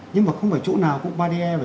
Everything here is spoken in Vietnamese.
nhưng mà không phải chỗ nào cũng ba dm